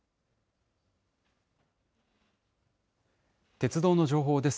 鉄道の情報です。